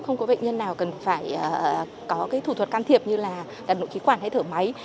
không có bệnh nhân nào cần phải có cái thủ thuật can thiệp như là đặt nội khí quản hay thở máy